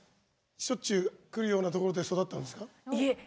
しょっちゅう来るようなところで育ったんですか？